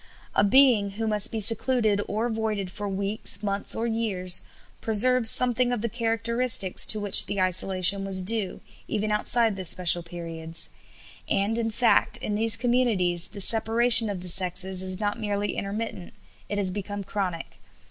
A being who must be secluded or avoided for weeks, months, or years preserves something of the characteristics to which the isolation was due, even outside those special periods. And, in fact, in these communities, the separation of the sexes is not merely intermittent; it has become chronic.